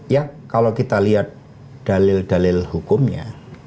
ya kalau kita lihat dalil dalil hukumnya